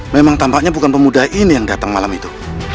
memang tampaknya bukan pemuda ini yang datang malam itu